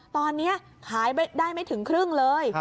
ตอนนี้ขายได้ไม่ถึงครึ่งเลย